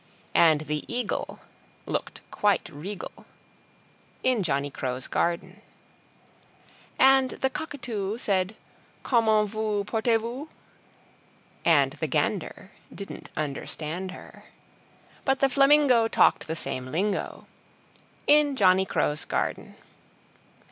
And the Eagle Looked quite regal In Johnny Crow's Garden And the Cockatoo Said "Comment vous portez vous?" And the Gander Didn't understand her; But the Flamingo Talked the same lingo In Johnny Crow's Garden.